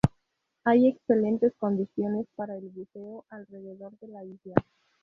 Hay excelentes condiciones para el buceo alrededor de la isla.